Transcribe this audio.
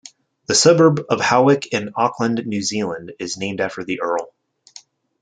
The suburb of Howick in Auckland, New Zealand, is named after the earl.